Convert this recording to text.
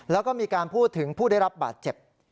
แล้วก็มีการพูดถึงผู้ได้รับบาดเจ็บ